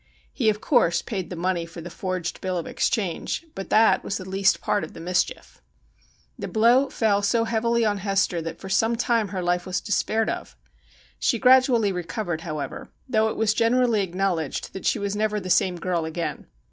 He of course paid the money for the forged bill of ex change, but that was the least part of the mischief. The 108 STORIES WEIRD AND WONDERFUL blow fell so heavily on Hester that for some time her life was despaired of. She gradually recovered, however, though it was generally acknowledged that she was never the same girl again.